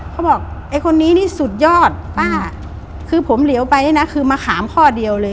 เขาบอกไอ้คนนี้นี่สุดยอดป้าคือผมเหลียวไปเนี่ยนะคือมะขามข้อเดียวเลย